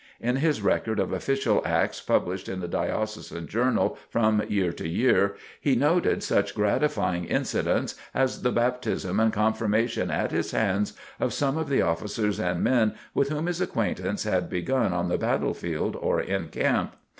In his record of official acts published in the Diocesan Journal from year to year, he noted such gratifying incidents as the baptism and confirmation at his hands of some of the officers and men with whom his acquaintance had begun on the battle field or in camp.